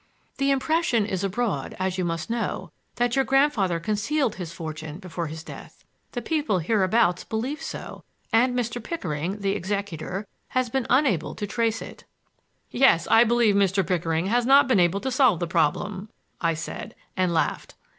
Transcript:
"The impression is abroad, as you must know, that your grandfather concealed his fortune before his death. The people hereabouts believe so; and Mr. Pickering, the executor, has been unable to trace it." "Yes, I believe Mr. Pickering has not been able to solve the problem," I said and laughed.